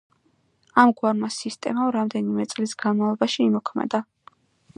ამგვარმა სისტემამ რამდენიმე წლის განმავლობაში იმოქმედა.